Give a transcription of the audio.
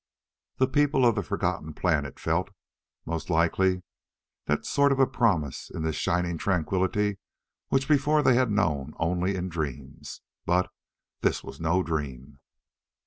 The people of the forgotten planet felt, most likely, the sort of promise in this shining tranquility which before they had known only in dreams. But this was no dream.